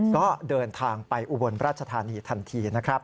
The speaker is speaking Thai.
ก็เดินทางไปอุบลราชธานีทันทีนะครับ